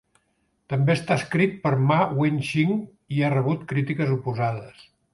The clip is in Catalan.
També està escrit per Ma Wing-shing i ha rebut crítiques oposades.